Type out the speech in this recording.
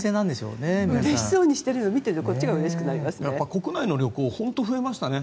うれしそうにしているのを見てこっちがうれしくなりますね。